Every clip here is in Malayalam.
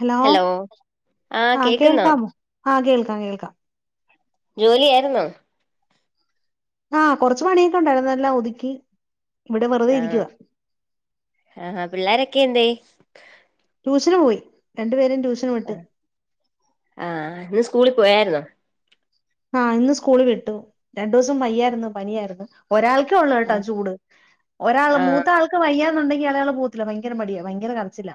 ഹലോ ആഹ് ആ കേക്കുന്നോ കേൾക്കാമോ? ആ കേൾക്കാം കേൾക്കാം. ജോലി ആയിരുന്നോ? ആഹ് കൊറച്ച പണിയൊക്കെണ്ടായിരുന്നു എല്ലാം ഒതുക്കി. ഇവിടെ വെറുതെ ആഹ് ഇരിക്കുവാ ഹ പിള്ളേരൊക്കെ എന്തേയ്? ട്യൂഷന് പോയി. രണ്ടു പേരും ട്യൂഷന് വിട്ട്. ആഹ് ഇന്ന് സ്കൂളി പോയായിര്ന്നോ? ആഹ് ന്ന് സ്കൂളിവിട്ടു രണ്ടൂസം വയ്യായിര്ന്നു പനിയായിരുന്നു. ഒരാൾക്കേ ഉള്ളൂ കേട്ടാ ആഹ് ചൂട് ഒരാൾ മൂത്താൾ വയ്യാന്നുണ്ടെങ്ക അയാള പോകതില്ല ഭയര മടിയാ ഭയങ്കരകരച്ചില്ല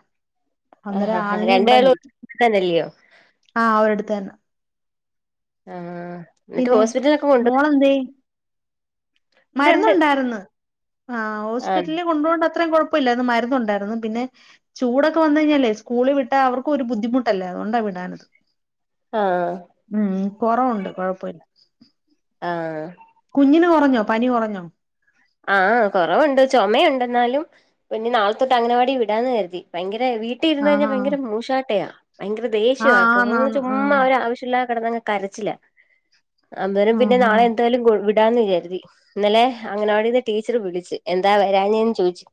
ആഹ് അന്നേരം ആഹ് ആളിനെ രണ്ടാളും ഇവിടെങ്ങിരിക്കും തന്നല്ലയോ അഹ് അവടെടുത്തന്നെ. ആഹ് എന്നിട്ട് ഹോസ്പിറ്റല ഒക്കെ കൊണ്ട ആന്തേ? ഇവിടെണ്ട് മരുരുന്നുണ്ടായിരുന്നു ആഹ് ആഹ് ഹോസ്പിറ്റലിൽ കൊണ്ടൊണ്ട് അത്രയും കോഴ പ്പല്ലന്ന് മരുന്നുണ്ടായിരുന്നു പിന്നെ,, ചൂടൊക്കെ വന്ന കഴിഞ്ഞാലേ സ്കൂളിൽ വിട്ടാ അവർക്കൊരു ബുദ്ധിമുട്ടല്ലേ അതൊണ്ടാ വിടാനത്. ആഹ് കൊറവുണ്ട് കൊഴപ്പില്ല ആഹ് കുഞ്ഞിന് കുറഞ്ഞോ പനി കുറഞ്ഞോ? ആഹ് കൊറവ്ണ്ട് ചൊമ്യാണ്ട്ന്നാലും. പിന്നെ നാളെ തട്ട് അങ്ങനവാടി വിടാന്ന് കരുതി ഭയങ്കര വീ,, വീട്ടിര്ന്ന് കഴിഞ്ഞാൽ ആഹ് ഭയങ്കര മൂഷാട്ടയാ ഭയങ്കര ദേഷ്യ ആഹ് ആക്ക് ആന്നാന്ന് ആഹ് ചുമ്മാ ഒരാവശ്യമില്ലാ കിടന്നങ്,, കരച്ചില്ല അന്നേരം പിന്നെ ആഹ് നാളെ ആഹ് എന്തായാലും വിടാന്ന് കരുതി ഇന്നലെ അങ്ങനെവിടടെന്ന് ടീച്ചർ പിടിച്ചു എന്താ വരാനന്ന് ചോദിച്ചു.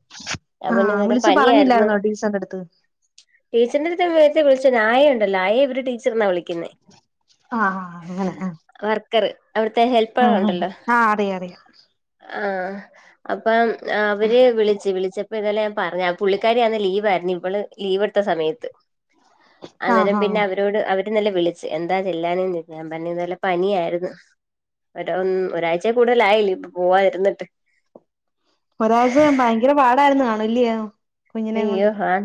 അവന് ആഹ് വേറെ വിളിച്ച് പനിയായിരുന്നു പറഞ്ഞില്ലായിരുന്നോ ടീച്ചറിന്റെ അടുത്ത് ടീച്ചറിന്റെ അടുത് നേരത്തെ വിളിച്ച ആയേണ്ടല്ലോ ആയേ ഇവര് ടീച്ചർന്നാ വിളിക്ന്നേ. ആഹ് അങ്ങനെ ർ അവിടുത്തെ ഹെൽപ്പർ ഉണ്ടല്ലോ ആ ഹ്അതെ അതെ ആഹ് അപ്പം അവര് വിളിച്ചു വിളിച്ച,, അപ്പൊതലെ ഞാപറഞ്ഞ പുള്ളിക്കാരി ആന്ന് ലീവായിര്ന്ന് ഇവ്വള് ലീവ് എട്ത്ത സമയത്ത് ആഹ് അങ്ങനം പിന്നെ ആഹ് അവ,, അവരോട് അവര് ഇന്നലെ വിളിച്ച് എന്താ ചെല്ലാന ഞാൻ പറഞ്ഞ നല്ല പനിയായിരുന്നു. ഒരാം ഒരാഴ്ച കൂടുതലായില്ലേ ഇപ്പ പോവാതിരുന്നിട്ട് ഒരാഴ്ച ഭയങ്കര പാടായിരുന്നു ആണല്ല യോ അയ്യോ ആന്ന്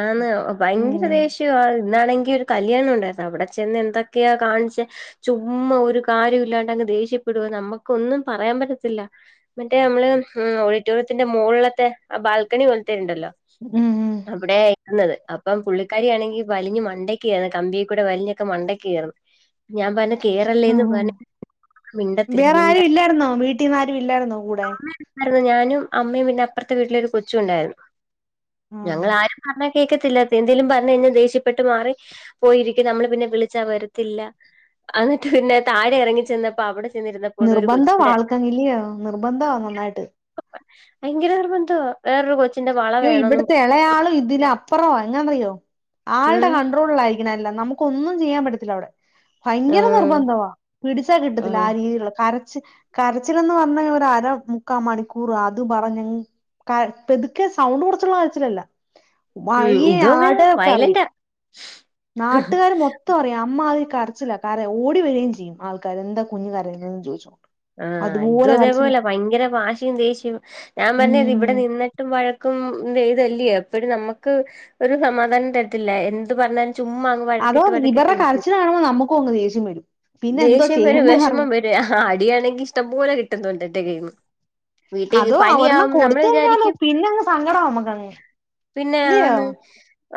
ആന്ന് ഭയങ്കര ഉം ദേഷ്യ,, ഇന്നാണെങ്കിൽ ഒരു കല്യാണം ഉണ്ടായിരുന്നു അവിടെ ചെന്ന് എന്തൊക്കെയാ കാണിിച്ച ചുമ്മാ ഒരു കാര്യം ഇല്ലാണ്ട് അങ്ങ് ദേഷ്യപ്പെടുക നമ്മുക്ക ഒന്നും പറയാൻ പറ്റത്തില്ല. മറ്റേ നമ്മള് ഓഡിറ്റോറിയത്തിന്റെ മുകളിലത്തെ ആ ബാൽക്കണി കൊലത്തിട്ടണ്ടല്ലോ ഉം ഇവിടെ ഇരുന്നത് അപ്പം പുള്ളിക്കാരിയാണെങ്കിൽ വലിഞ്ഞഞ് മണ്ടക്ക് കയറന്ന് കമ്പിയ കൂടെ വലിഞ്ഞൊക്കെ മണ്ടക്കക്ക് കയറും ഞാൻ പറഞ് ഉം കേറല്ലേന്ന് ഉം പറഞ് മിണ്ടത്തില്ല വേറെ മിണ്ട ആരും ഇല്ലായിരുന്നോ വീ,, ന്നാരും ഇല്ലായിുന്നോ കൂടെ അായിരുന്നു ഞാനും അമ്മയും പിന്നെ അപ്പുറത്തെ വീട്ടിലൊരു കൊച്ചു ഉണ്ടായിരുന്നു ആഹ് ഞങ്ങൾ ആരും. പറഞ്ഞ കേൾക്കത്തില്ലാത്തെ എന്തേലും പറഞ്ഞയ്‌ഞാ ദേഷ്യപ്പെട്ട് മാറി പോയിരിക്കും നമ്മള് പിന്നെ വിളിച്ചാ വരത്തില്ല എന്നിട്ട് പിന്നെ താഴെ ഇറങ്ങി ചെന്നപ്പോ അവിടെ,, ചെന്നിരുന്നപ്പോണ്ട് ഒരു നിർബന്ധവ കൊച്ചിന്റെ ആൾക്കങ്ങനെ ഇല്ല്യോ നിർബന്ധവ നന്നായിട്ട് ഭയങ്കര നിര്ബന്ധമാ വേറൊരു കൊച്ചു അയ്യോ ഇവിടുത്തെ ഇളയാളും ഇതില,, അപ്പറോ എങ്ങനാെന്നറിയോ ഉം ആളുടെ കണ്ട്രോളാ യിരിക്കണമെല്ലാംനമുക്ക ഒന്നും ചെയ്യാൻ പറ്റത്തില്ല അവിടെ. ഭയങ്കര ആഹ് നിർബന്ധവാ പിടിച്ചാൽ കിട്ടത്തില്ല ആഹ് ആ രീതിയിലുള്ള കരച്ച്,, കരച്ചിലന്ന് പറഞ്ഞ അര മുക്കാ മണിക്കൂറ അതും പറഞ്ഞ പതു,, സൗണ്ട് കൊടുത്തുള്ള ആഴച്ചിലല്ല ഉം വഴ ഇതും അങ്ങനാ ആടൊക്കെ അറും വയലന്റാ. [unintelligible] നാട്ടുകാരും മൊത്തം അറിയാം അമ്മ അതിന് കരച്ചില. അതെ ഓടി വരകയും ചെയ്യും ആൾക്കാാര് എന്താ കുഞ്ഞഞ് കരയുന്നത ചോദിച്ഛ് ആഹ് ഇതും അതേപോലെ ഭയങ്കര ഭാഷിയയും ദേഷ്യവും ഞാൻ പറഞ്ഞത് ഇവിടെ ഉം നിന്ന,, ട്ടും വഴക്കും ഇതല്ലയോ അപ്പോഴ നമുക്ക് ഒരു സമാധാനം തരത്തില്ല എന്ത് പറഞ്ഞാലും ചുമ്മാഅങ്,, അതോ വഴക്കിട്ട് ഇവരുടെ വഴക്കിട്ടിരിക്കും കരച്ചില് കാണുമ്പോ നമുക്കും അങ്ങ് ദേഷ്യം വരും പിന്നെ എന്തോ ദേഷ്യം വരും ചെയ്യേണ്ടന്ന് അറിയ വിഷമം വരും. അടിയാണെങ്കി ഇഷ്ടംപോലെ കിട്ടുന്നുണ്ട്എന്റെകൈ യിന്ന് അതോ അ ഒരെണ്ണം കൊടുത്തലോ പിന്നെങ്ങ് സങ്കടം നമ്മുക്കങ്ങ് പിന്നെ ആന്ന്.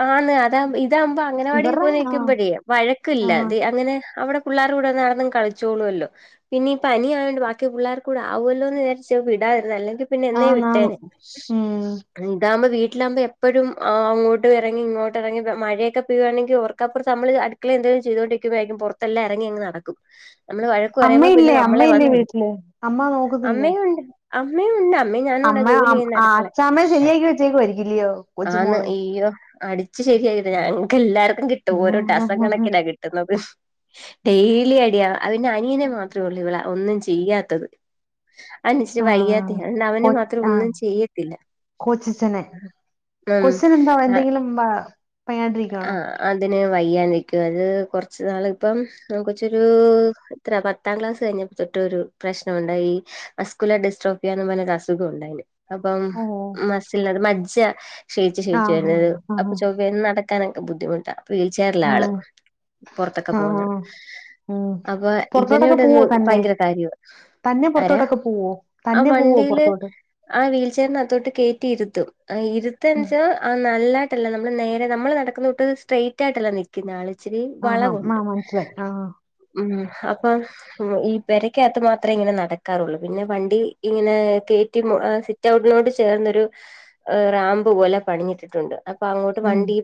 ആന്ന് അത ഇതാകുമ്പോ അങ്ങനവാടിക്ക് ഇവരുടെ പോയി ആഹ് നിക്കുമ്പോഴേ വഴക്കില്ല ആഹ് അ അങ്ങനെ അവിടെ പുള്ളേരൂടെ കൂടെ നടന്നും കളിച്ചോളോല്ലോ പിന്നിം പനിയവണ്ട് ബാക്കി പിള്ളേർ കൂ ആവുമല്ലോന്ന് വിചാരിച്ച വിടാതിരുന്നു അല്ലെങ്കിൽ പിന്നെ എന്നെ ആന്ന് ആന്ന് വിട്ടേന ഉം ണ്ടവുമ്പോ വീട്ടിലാവുമ്പോ എപ്പയും അങ്ങോട്ടുംഇറങ്ങി ഇങ്ങോട്ടിറങ്ങി മഴൊക്കെപെയ്യു വാണെങ്കിൽ ഓർക്കപ്പുറത്ത് നമ്മൾ അടി മക്കള എന്തെലും ചെയ്തോണ്ടിരിക്കുമോരിക്കും പുറത്തെല്ല ഇറങ്ങി അങ് നടക്കും നമ്മള് വഴക്ക പറയുമ്പോ പിന്നെ അമ്മയില്ലേ നമ്മളെ അമ്മയില്ലേ വന്ന് അടി വീട്ടില് അമ്മ നോക്കുന്നില്ലേ അമ്മയും ഉണ്ട് അമ്മയും ഞാനും ഉണ്ടാ ജോലി ആഹ് ചെയ്യുന്ന അടുക്കളെ അച്ചാമ്മയെ ശരിയാക്കി വെച്ചേക്കുവായിരിക്കുംല്ലയോ ആന്ന് കൊച്ചുമോള് അയ്യോ അടിച്ചു ശരിയായിട്ട ഞങ്ങക്ക് എല്ലാവർക്കും കിട്ടും ഓരോ ഡസം കണക്കനാ കിട്ടും [unintelligible] ഡെയിലി അടിയ അവന്റെ അനിയനെ മാത്രേള്ളൂ ഇവള ഒന്നും ചെയ്യാത്തത്. അതിനിച്ചിരി ആഹ് വയ്യാതെയാണ് അവനെ കൊ മാത്രം ഒന്നും ആഹ് ചെയ്യത്തില്ല കൊച്ചച്ഛനെ ഉം ആ [unintelligible] പയാണ്ടിരിക്കണോ അതിന് വയ്യാതിരിക്കും അത് കൊറച്ച് നാൾ ഇപ്പം ആ കൊച്ചൊരു എത്ര പത്താം ക്ലാസ് കഴിഞ്ഞപ്പോ തൊട്ടൊരു പ്രശ്നംഉണ്ടായി അസ്കുല ഡിസ്ട്രോഫിയാന്ന് പറഞ്ഞരു അസുഖം ഉണ്ടായിന് അപ്പം ഓഹ് മസ്സിലത് മജ്ജ ക്ഷേയിച്ചു ക്ഷയിച്ചു ആഹ് വരുന്നത് അപ്പൊ ആഹ് ചൊവ്വന്ന് നടക [unintelligible] ബുദ്ധിമുട്ട വീൽചേറില ആള് ആഹ് പുറത്തൊക്കെ പോകുന്ന ആഹ് ഉം അപ്പൊ ഇവനോട പൊറത്തോട്ടൊക്കെ പോവോ ഒന്ന് തന്നെ ഭയങ്കര കാര്യാ തന്നെ പുറത്തോട്ടൊക്കെ പോവോ തന്നെ പോവോ പുറത്തോട്ട് ആ വീൽ ചെയറിനകത്തോട്ട് കേയറ്റിയിരുത്തും ആ ഉം ഇരുത്തെച്ചാ ആ നല്ല നമ്മള് നേരെ നമ്മള് നടക്കുന്നത് സ്ട്രൈറ്റ്യിട്ടല്ല നി [unintelligible] ഇച്ചിരി ആഹാ ആ വളവോണ്ട് മനസ്സിലായി ആ ഉം അപ്പൊ ഈ പിരക്കകത്ത് മാത്രമേ ഇങ്ങനെ നടക്കാറുള്ളൂ പിന്നെ വണ്ടി ഇങ്ങനെ കയറ്റി [unintelligible] [unintelligible] ചേർന്നൊരു റാമ്പ് പോലെ പണിഞ്ഞിട്ടിട്ടുണ്ട് അപ്പൊ അങ്ങോട്ട് ഉം വണ്ടി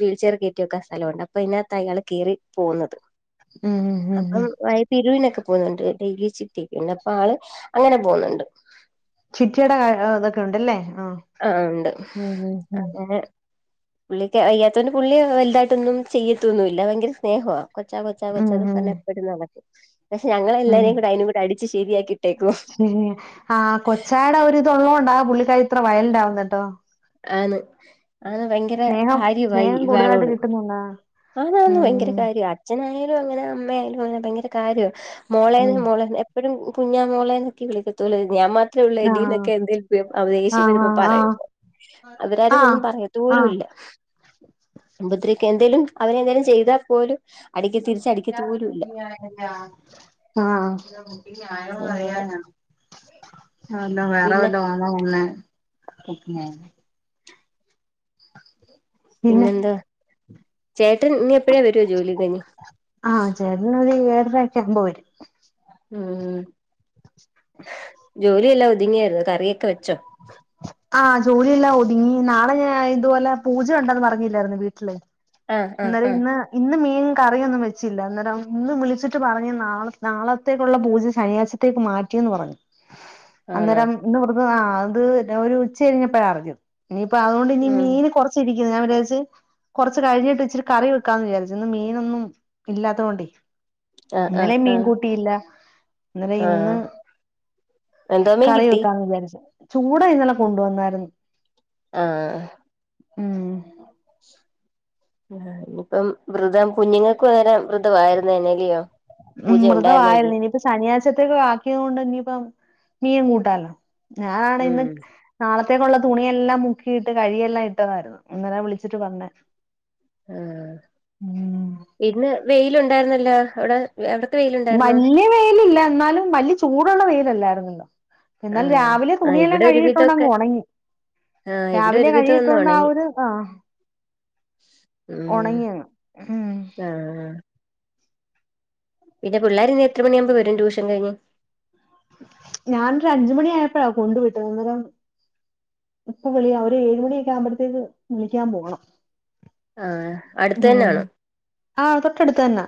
വീൽചർ കയറ്റി വക്ക സ്ഥലമുണ്ട് അപ്പൊ ഇതിനകത്ത് അയാൾ കയറി പോകുന്നത് ഉം ഉം ഉം അപ്പം ഉം. വയസ് ഇരുവിനൊക്കെ പോുന്നുണ്ട് ഡയ്‌ലി ചിട്ടി പിന്നെപ്പൊ ആള് അങ്ങനെ പോന്നുണ്ട് ചിട്ടിടെ അ അഹ് തൊക്കെണ്ട്ലെ ആ ആ ഉണ്ട് ഉം ഉം ഉം അങ്ങനെ പുള്ളിക്ക് വയ്യാത്തോണ്ട് പുള്ളി വലുതായിട്ടൊന്നും ചെയ്യത്തൊന്നും ഇല്ല ഭയങ്കര സ്നേഹവ കൊച്ചാ കൊച്ചാ ഉം കൊച്ചാ ന്നും ഉം പറഞ്ഞ പ്പയും നടക്കും പക്ഷെ ഞങ്ങളെല്ലാരേരും കൂടെ അയനെകൂടെ അടിച്ച് ശരിയാക്കി ശരി ആ കൊച്ചായടെ ഒര്ത് ഉള്ളോണ്ടാ പുള്ളിക്കാരി ഇത്ര വയലണ്ടാവുന്നേട്ടോ ആന്ന് ആന്ന് ഭയങ്കര സ്നേഹം കാര്യമായി സ്നേഹം കൂടുതലായിട്ട് ഇയാളോട് കിട്ടുന്നുണ്ടാ ആന്ന് ആന്ന് ഭയങ്കര ഉം കാര്യ അച്ഛനായാലും അങ്ങനെ അമ്മയാലും അങ്ങനെ ഭയങ്കര കാര്യമാണ് മോളെ ഉം മോളെന്ന് എപ്പോഴും കുഞ്ഞാ മോളെ [unintelligible] ഞാൻ മാത്രേ ഉള്ള ആ ഇടീക്കെന്തേ്യം അവ ആ ദേഷ്യ വരുമ്പോ പറയ്പോ ആ ആ അവരാരും ഒന്നും പറയത്ത ആ പോലും ഇല്ല മുമ്പുദ്രക്ക് എന്തേലും അവന എന്തേലും ചെയ്താൽ പോലും [unintelligible] ആഹ അടിക്ക തിരിച്ചടിക്കത്ത് പോലും ഇല്ല അങ്ങനെ [unintelligible] വേറെ പിന്നെ വല്ല [unintelligible] [inaudible] പിന്നെന്താ ചേട്ടൻ ഇനി എപ്പഴാ വരാ ജോലി കൈഞ്ഞ് ആഹ് ചേട്ടൻ ഏഴര ഒക്കെ ആവുമ്പോ വരും. ഉം ജോലി എല്ലാം ഒതുങ്ങിയായിരുന്നു കറിയൊക്കെ വെച്ചോ ആഹ്‌ ജോലിഎല്ലാം ഒതുങ്ങി നാളെ ഞ ഇതുപോലെ പൂജ ഉണ്ടന്ന് പറഞ്ഞില്ലായിരുന്നോ വീട്ടില് ആഹ് ആഹ് ആഹ് അന്നേരന്ന് ഇന്ന് മീൻ കറിയൊന്നും വെച്ചില്ല അന്നേരം ഇന്ന് വിളിച്ട്ട് പറഞ് നാള നാളത്തേക്കുള്ള പൂജ ശനിയാഴ്ച ത്തേക്ക് മാറ്റിയന്ന് പറഞ്ഞു [inaudible] അന്നേരം ഇന്ന് വ്രത ആ അത് ഒരു ഉച്ച കഴിഞ്ഞപ്പോഴ അറിഞ്ഞത് ഇനിയിപ്പ അതുകൊണ്ട് ഇനി ഉം മീന് കുറച്ച് [unintelligible] കുറച്ച് കഴിഞ്ഞിട്ട് ച്ചിരി കറി വെക്കാന്നാവിചാരിച്ചു മീനൊന്നും ഇല്ലാത്തതുകൊണ്ടേ ആഹ് ഇന്നലെ ആഹ് ആഹ് മീൻകൂട്ടിയില്ല അന്നരം ആഹ് ഇന്ന് എന്തോമീൻ കറി കിട്ടി വെക്കാന്ന് വിചാരിച്ചു ചൂട ഇന്നലെ കൊണ്ടു വന്നായിരുന്നു ആ ഉം ആ ഞ്ഞിപ്പം വൃതം കുഞ്ഞുങ്ങൾക്കു അങ്ങനെ വൃതമായിരുന്നേനെല്ല്യോ ഉം മൃതാവായിരുന്നു ഇനിപ്പ ശനിയാഴ്ചത്തേക്ക ആക്കിയതോണ്ട് ഇനിയിപ്പ മീൻ കൂട്ടാലോ ഞാനാണ് ഉം ഇന്ന്. നാളത്തേക്കുള്ള തുണിയെല്ലാം മുക്കിയിട്ട് കഴികിയെല്ലാം ഇട്ടതായിരുന്നു അന്നേരവ വിളിച്ചിട്ട് പറഞ്ഞെ ആഹ് ഉം ഇന്ന് വെയില് ഉണ്ടായിരുന്നല്ലോ അവിടെ അവിടെ വല്യ വെയില് ഇല്ല എന്നാലും വല്യ ചൂടുള്ള വെയിലല്ലായിരുന്നല്ലോ എന്നാൽ ആഹ് രാവിലെ ആഹ് തുണിയെല്ലാം ഇവിടെ ഒരുവിധൊക്കെ കഴിയിട്ടുണ്ടങ്ങ് ഉണങ്ങി ആഹ് ഇവിടെ രാവിലെ കഴികിയിട്ടോണ്ട ആ ഒരു ആ ഇം ഉണങ്ങി അങ്ങ് ഉം ആ പിന്ന പിള്ളര എത്ര മണിയാവുമ്പ വരും ട്യൂഷൻ കഴിഞ്ഞ് ഞാാനൊരു അഞ്ചുമണിിയയപ്പോഴാ കൊണ്ടുപട്ടത് അന്നേരം ഇപ്പൊ വിളിയ ഒരു ഏഴ് മണിയൊക്കെ ആകുമ്പോഴത്തേക്ക് വിളിക്കാൻ പോകണം ആഹ ഉം ആഹ തൊട്ടടുത്ത് തന്നെ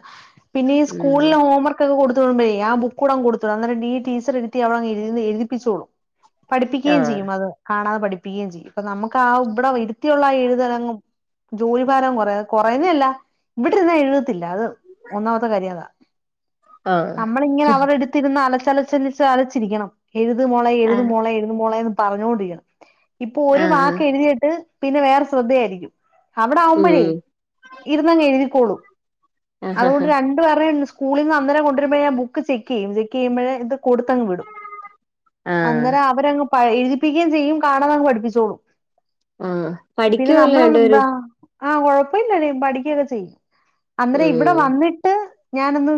പിന്നെ ഈ ഉം സ്കൂളിലെ ഹോംവർക്ക് ക്ക കൊടുത്തോടുമ്പോഴേ ആ ബുക്കൂ അങ് കൊടുത് വിട് ആ ടീച്ച എടുത്തി അവിടെ എ എരിപ്പിച്ചോളു പഠിപ്പിക്കുകയും ആഹ് ചെയ്യും അത് കാണാതെ പഠിപ്പിക്കുകയും ചെയ്യും അപ്പൊ നമുക്ക് ആ ഇവിടെ ഇട്ടുത്തിയുള്ള ആ എഴുതലങ്ങും ജോലിഭാരം കുറയ കൊറനല്ല. ഇവിടെന്നാ എഴുതത്തില്ല അത് ഒന്നാമത്തെ കാര്യം അതാ ആഹ് നമ്മളിങ്ങനെ അവടെ എടുത്തിരുന്ന് അലച്ചലച്ചന അലച്ചിരിക്കണം എഴുതുമോളെ ആഹ് എഴതുമോളെ എഴതുമോള എന്ന് പറഞ്ഞുകൊണ്ടരിക്കണം ഇപ്പൊ ഒരു ആഹ് വാക്ക് എഴുതിട്ട് പിന്നെ വേറെ ശ്രദ്ധയായിരിക്കും അവിടെ ആവുമ്പോഴേ ഉം ഇരുന്നങ് എഴുതിക്കോളും ആഹ് അതുകൊണ്ട് ആഹ് രണ്ട് [unintelligible] സ്കൂളിൽന്ന്ന്നരേ കൊണ്ടുവരുമ്പോഴേ ഞാ ബുക്ക് ചെക്ക് ചെയ്യും ചെക്ക് ചെയ്യുമ്പഴ ഇത് കൊടുത്തങ്ങ് വിടും അന്നേരം അവരങ് എഴുതിപ്പിക്കുകയും ചെയ്യും കാണാത ങ്ങ് പഠിപ്പിച്ചോളും ആഹ് പിന്നെ പഠിക്കുവല്ലോ നമ്മള എന്താ രണ്ടുപേരും [inaudible] ആഹ കൊഴപ്പമില്ലല്ലും പഠിക്കുകൊക്കെ ചെയ്യും അന്നേരം ഇവിടെ ഉം വന്നിട്ട് ഞാനൊന്ന്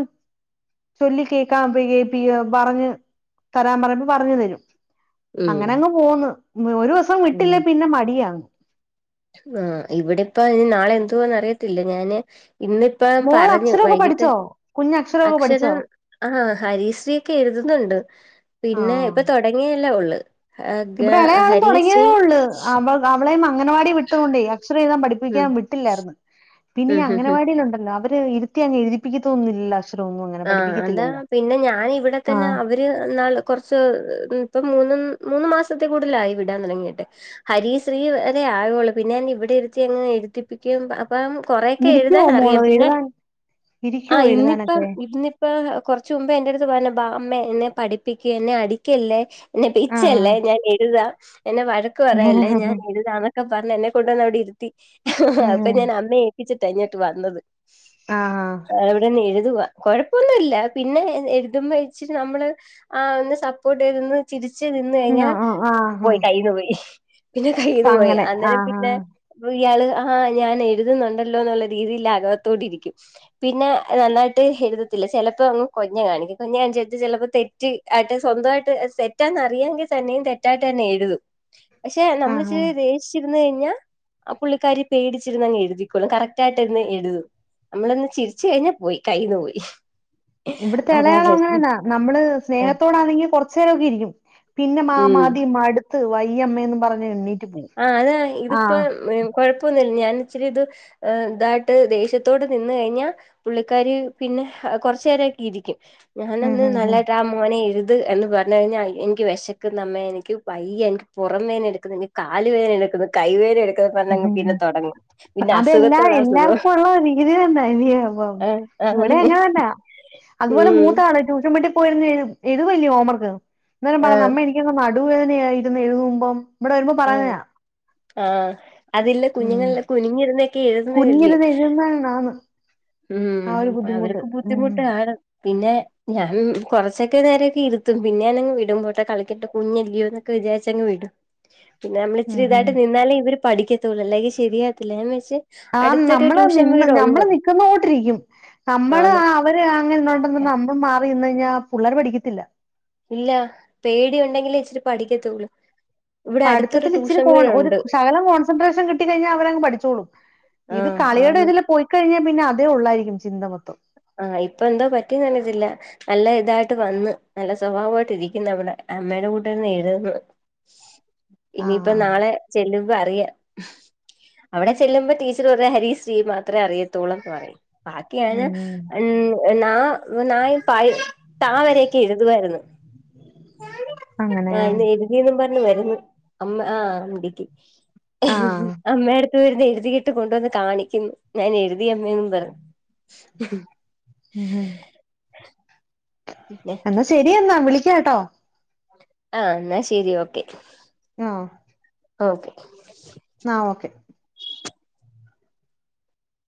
ചൊല്ല കേക്കാൻ [unintelligible] പറഞ്ഞഞ് തരാൻ പറയുമ്പ പറഞ്ഞ് തരും ഉം അങ്ങനെ അങ്ങ് പോവുന്നു. ഒരു ദിവസം വിട്ടില്ലേ പിന്നെ മടിയാന്ന്. ആ ഇവിടെപ്പ ഇനി നാളെ എന്തന്ന് അറിയത്തില്ല ഞാന് ഇന്നിപ്പം മോൾ പറഞ്ഞു അക്ഷരമൊക്കെ വൈകിട്ട് പഠിച്ചോ കുഞ്ഞ് അക്ഷരമൊക്കെ പഠിച്ചോ അക്ഷരം ആഹ ഹരീശ്രീ ഒക്കെ എഴുതുന്നുണ്ട് ആ പിന്നെ ഇപ്പൊ തുടങ്ങിയെല്ലാള്ളു ഇവിടെ ഇലയാളും തുടങ്ങിയതേ ഉള്ളൂ അവ അവളയും അങ്ങനവാടിയ വിട്ടുന്നുണ്ടേ അക്ഷരം എഴുാൻ ഉം പഠിപ്പിക്കാൻ വിട്ടില്ലായിന്ന് പിന്നെ ഇ ഉം ഉം അങ്ങനവാടിലുണ്ടല്ലോ അവര് ഇരുത്തി അങ് എഴുതിപ്പിക്ക തോന്നുന്നില്ല ആഹ എന്താ പിന്നെ ഞാനിവിടെ തന്നെ ആഹ് അവര് നാള് കൊറച്ച് ഇപ്പ മൂന്ന് മൂന്ന് മാസത്തെ കൂടുതലായി വിടാൻ തുടങ്ങിയിട്ട് ഹരീ ശ്രീ വരെ ആയുള്ളൂ പിന്നെ ഞൻ ഇവിടെ ഇരുത്തി അങ്ങനെ എഴുതിപ്പിക്ക അപ്പം കൊറെൊക്കെ ഇരിക്കുവോ എഴുതാൻ മോള് അറിയാം പിന്നെ എഴുതാൻ ആ ഇരിക്കുവോ ഇന്നിപ്പം എഴുതാനൊക്കെ ഇന്നിപ്പ കൊറച്ച മുമ്പ് എറ അടുത്ത് പറഞ്ഞ ബാ അമ്മ എന്നെ പഠിപ്പിക്കൂ എന്നെ അടിക്കല്ലേ എന്നെ ആഹ് പിച്ചയല്ലേ ഞാൻ എഴുതാം എന്നെ വഴക്ക് പറയല്ലേ ഞാൻ ആഹ് എഴുതാന്ന് അക്കെ പറഞ്ഞ എന്നെ കൊണ്ടുവന്ന് അവിടെ ഇരുത്തി. അപ്പൊ ഉം ഞാൻ അമ്മേ ഏൽപ്പിച്ചിട്ട ഇങ്ങോട്ട് വന്നത്. ആഹ് ആ എവിടെന്ന് എഴുതുവ. കൊഴപ്പൊന്നുമല്ല പിന്നെ എഴുതുമ്പോ വഴിച്ചിട്ട നമ്മള് ആ ഒന്ന് സപ്പോർട്ട് ചെയതന്ന് ചിരിച്ച് നിന്ന്ഴിഞ്ഞാൽ ആഹ് ആഹ് ആഹ് പോയി കയ്ന്നു പോയി പിന്നെ കയ്ന്നു പോയി അങ്ങനെ അന്നേരം ആഹ് പിന്നെ അപ്പൊ ഇയാള് ആഹ് ഞാൻ എഴുതുന്നുണ്ടല്ലോ എന്നുള്ള രീതിയിൽ അകവത്തോടിരിക്കും പിന്നെ നന്നായിട്ട് ഹെ എഴുത്തില്ല ചിലപ്പോ അങ്ങ് കൊഞ്ഞ കാണിക്ക കൊഞ്ഞ കാണിച്ചട്ട് ചിലപ്പോ തെറ്റ് ആട്ട് സ്വന്തമായിട്ട്െ തെറ്റന്ന്റിയാമെങ്കിൽ തന്നെയും തെറ്റായിട്ട് തന്നെ എഴുതു പക്ഷെ ആഹ് നമ്മള് ആഹ് ചെ ദേ [unintelligible] കഴിഞ്ഞ ആ പുള്ളിക്കാരി പേടിച്ചിരുന്ന് അങ്ങ് എഴുതിക്കൊളും കറക്ട്ടായിട്ട ഇരുന്ന് എഴുതും നമ്മളന്ന് ചിരിച്ച കഴിഞ്ഞാ പോയി. കയിന്ന്പോയി. ഇവിടുത്തെ ഇളയാളം അങ്ങനെന്നാ നമ്മള് ആഹ് സ്നേഹത്തോടാണെങ്കിൽ കുറച്ച നേരമൊക്കെ ഇരിക്കും പിന്നെ മാ ഉം മാതി മട്ത്ത് വയ്യ അമേന്ന് പറഞ്ഞ് പോവും ആഹ അതാ ഇതിപ്പോ ആഹ് കൊഴപ്പൊന്നില്ല ഞാൻ ഇച്ചിരി ഇത് ഇതായിട്ട് ദേഷ്യത്തോട് നിന്ന കഴിഞ്ഞാൽ പുള്ളിക്കാര് പിന്നെ കൊറച്ചു നേരൊക്കെ ഇരിക്കും. ഉം ഞാനന്ന് ഉം നല്ല ടാമ മോനെ എഴുത് എന്ന് പറഞ്ഞഞ് കഴിഞ്ഞാൽ എനിക്ക് വിശക്ക നമ്മയെ എനിക്ക് വയ്യ എനിക്ക് പുറംവേനെ എടുക്കുന്ന എനിക്ക് കാല് വേദന എടുക്കുന്ന് പിന്നെ ഹ്ഹ്അതെല്ലാ അസുഖത്തോട് അസുഖം എല്ലാർക്കോള്ള രീതി തന്ന ഇന അ ആഹ് ആന്ന് ഇവിടേം അങ്ങനെ തന്നാ. അതുപോലെ ഉം മൂത്താൾ ട്യൂഷൻ വീട്ടി പോയിരുന്നു എഴു ഏഴുതവല്ലേ ഹോമർക്ക് അന്നേര പറഞ്ഞ ആഹ് അമ്മ എനിക്ക് എനിക്കങ്ങ നടുവേദനയായിരുന്നു എഴുതുമ്പം ഇവിടെ വരുമ്പോ പറയുന്നതാ ആഹ അതില്ല കുഞ്ഞുങ്ങളല്ലാം കുനിഞ്ഞിരുന്നൊക്കെ എഴതുന്നതല് [unintelligible] [inaudible] ആ ഒരു ഉം ബുദ്ധിമുട്ട് അവർക്ക് ഉം ബുദ്ധിമുട്ട് ആ പിന്നെ ഞാൻ കുറച്ചൊക്കെ നേരൊക്കെ നാൻ നാൻ കുറച്ചു ഇരുത്തും പിന്നെ ഞാനങ്ങ് വിടുമ്പോട്ടെ കളിക്കിട്ട കുഞ്ഞല്ലയോ എന്നൊക്കെ വിചാരിച്ചങ്ങ് വിടും പിന്നെ നമ്മള ഇച്ചിരി ഇതായിട്ട് നിന്നാലേ ഇവര് പഠിക്കത്തള്ളൂ അല്ലെങ്കിൽ ശരിയാത്തില്ല വെച്ച ആ നമ്മള് നിന്ന് നമ്മള് നിക്കുന്നോണ്ടിരിക്കും നമ്മള് ആന്ന് ആ അവര് അങ്ങനെ ഇന്നോണ്ട നമ്മള് മാറി നിന്ന് കഴിഞ്ഞാ പിള്ളാര് പഠിക്കത്തില്ല ഇല്ല പേടി ഉണ്ടെങ്കിലെ ഇച്ചിരി പഠിക്കത്തോ ളൂ. പഠിത്തിൽ ഇച്ചിരി കോ ഒരു സകലം കോൺസെൻട്രേഷൻ കിട്ടിഴിഞ്ഞാൽ അവരങ് പഠിച്ചോളും ഇത് ആഹ് കളിയുടെ ആന്ന് ഇതിൽ പോയിക്കഴിഞ്ഞാൽ പിന്നെ അതേ ഉള്ളായിരിക്കും ചിന്ത മൊത്തം ആഹ് ഇപ്പ എന്താ പറ്റിന്നന്നതില്ല നല്ല ഇതായിട്ട് വന്ന് നല്ല സ്വഭാവമായിട്ട് ഇരിക്കുന്നു അവിടെ അമ്മേയുടെ കൂട്ടന്ന് എഴതുന്നു ഇനിയിപ്പ ആഹ് നാളെ ചെല്ലുമ്പ അറിയാം. അവിടെ ചെല്ലുമ്പോ ടീച്ചർ പറ ഹരീ ശ്രീ മാത്രമേ അറിയത്തുള്ളൂന്ന് പറയും ബാക്കിയ ഉം ഉ ന നായി പായ താ വരൊക്കെ എഴുതുായിരുന്നു [inaudible] ആഹ് അങ്ങനെയാ ഇന്ന് എഴുതി ന്നും പറഞ്ഞഞ് വരുന്നു അമ്മ ആ ഉണ്ടക്ക് ആഹ് അമ്മ ചരുന്ന് എഴുതി കിട്ട് കൊണ്ടുവന്ന് കാണിക്കു ഞാൻ എഴുതിയമ്മെന്നു പറഞ്ഞു ഉംം പിന്നെ എന്നാ ശരി എന്ന എന്നാ വിളിക്കാം കേട്ടോ ആഹ എന്നാ ശരി ഓക്കെ ആഹ ഓക്കെ ആഹ് ഓക്കെ